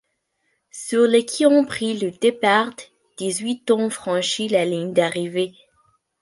Sur les qui ont pris le départ, dix-huit ont franchi la ligne d'arrivée.